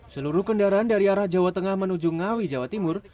seluruh kendaraan dari arah jawa tengah menuju ngawi jawa timur